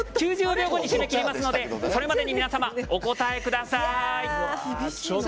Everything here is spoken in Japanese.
９０秒後に締め切りますのでそれまでに皆様、お答えください。